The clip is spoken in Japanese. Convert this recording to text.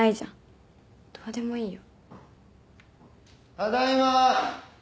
・ただいま。